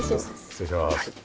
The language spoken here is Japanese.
失礼します。